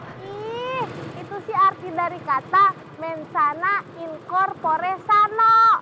ih itu sih arti dari kata mensana incorporesano